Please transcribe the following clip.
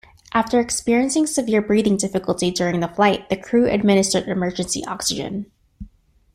After experiencing severe breathing difficulty during the flight, the crew administered emergency oxygen.